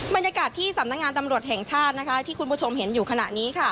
บรรยากาศที่สำนักงานตำรวจแห่งชาติที่คุณผู้ชมเห็นอยู่ขณะนี้